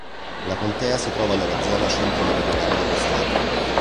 La contea si trova nella zona centro meridionale dello Stato.